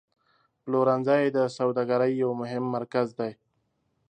پلورنځی د سوداګرۍ یو مهم مرکز دی.